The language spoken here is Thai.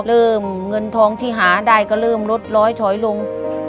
ลืมเงินทองที่หาได้ก็ลืมรถล้อยถอยลง